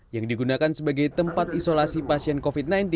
yang digunakan sebagai tempat isolasi pasien covid sembilan belas